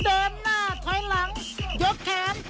เดินหน้าถอยหลังยกแขน